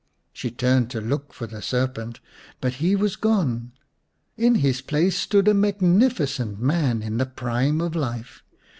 She turned to look for the serpent, but he was gone. In his place stood a magnificent man in the prime of life.